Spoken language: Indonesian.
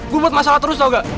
gua buat masalah terus tau gak